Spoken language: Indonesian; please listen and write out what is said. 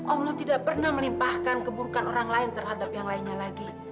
allah tidak pernah melimpahkan keburukan orang lain terhadap yang lainnya lagi